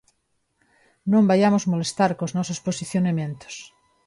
Non vaiamos molestar cos nosos posicionamentos.